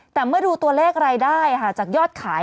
แต่เมื่อดูตัวเลขรายได้จากยอดขาย